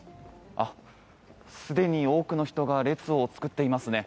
すでに多くの人が列を作っていますね。